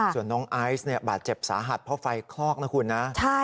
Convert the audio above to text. ส่วนน้องไอซ์บาดเจ็บสาหัสเพราะไฟคลอกนะคุณนะ